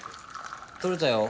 取れたよ。